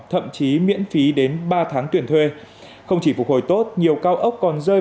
thậm chí miễn phí đến ba tháng tuyển thuê không chỉ phục hồi tốt nhiều cao ốc còn rơi